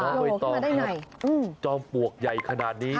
จ้อมเคยตอบครับจ้อมปลวกใหญ่ขนาดนี้